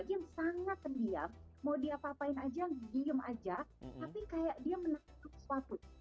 jadi bagian sangat diam mau diapa apain aja diem aja tapi kayak dia menangkap suaput